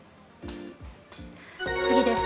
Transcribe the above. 次です。